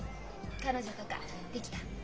彼女とか出来た？